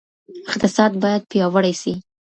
اقتصاد باید پیاوړی سي.